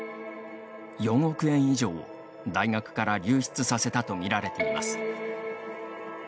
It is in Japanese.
４億円以上を大学から流出させたと見られています。